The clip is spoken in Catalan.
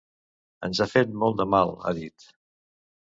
Ens ha fet molt de mal, ha dit.